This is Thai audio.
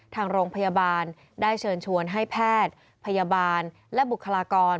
ทางโรงพยาบาลได้เชิญชวนให้แพทย์พยาบาลและบุคลากร